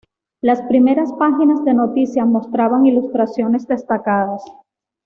Las primeras páginas de noticias mostraban ilustraciones destacadas.